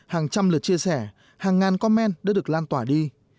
hàng trăm lượt chia sẻ hàng ngàn comen đã được lan tỏa đi